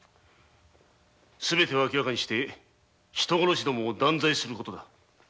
すべてを明らかにして人殺しどもを断罪することだ。